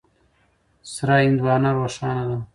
سره هندوانه روښانه ده.